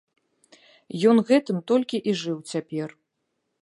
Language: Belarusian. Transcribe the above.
Ён гэтым толькі і жыў цяпер.